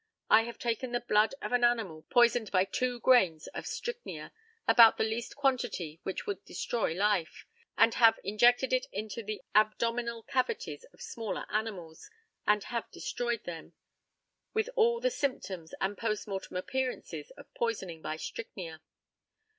I have taken the blood of an animal poisoned by two grains of strychnia, about the least quantity which would destroy life, and have injected it into the abdominal cavities of smaller animals, and have destroyed them, with all the symptoms and post mortem appearances of poisoning by strychnia.